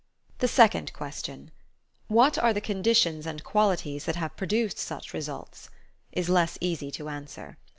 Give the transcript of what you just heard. The second question: What are the conditions and qualities that have produced such results? is less easy to answer.